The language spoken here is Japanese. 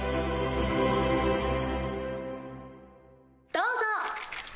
どうぞ。